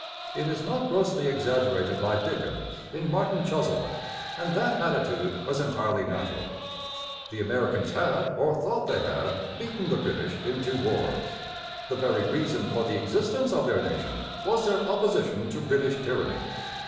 It is not grossly exaggerated by Dickens in Martin Chuzzlewit. And that attitude was entirely natural. The Americans had, or thought they had, beaten the British in two wars. The very reason for the existence of their nation was their opposition to British tyranny.